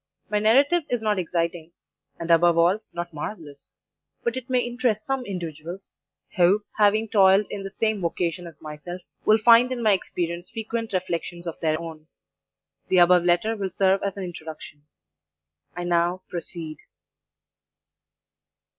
My narrative is not exciting, and above all, not marvellous; but it may interest some individuals, who, having toiled in the same vocation as myself, will find in my experience frequent reflections of their own. The above letter will serve as an introduction. I now proceed.